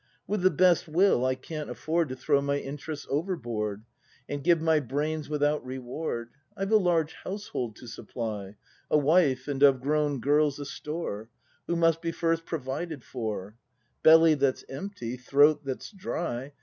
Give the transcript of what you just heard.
With the best will I can't afford To throw my interests overboard, And give my brains without reward. I've a large household to supply, A wife, and of grown girls a store. Who must be first provided for; — Belly that's empty, throat that's dry.